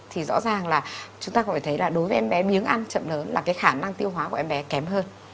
thì rõ ràng là chúng ta có thể thấy là đối với em bé miếng ăn chậm lớn là cái khả năng tiêu hóa của em bé kém hơn